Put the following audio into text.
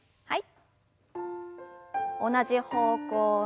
はい。